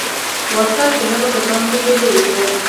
واسکټ د هغه په ځان کې ډیر لوی و.